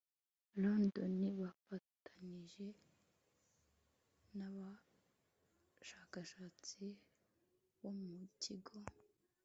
londoni bafatanije n abashakashatsi bo mu kigo